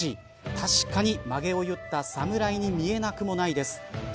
確かに、まげを結った侍に見えなくもないです。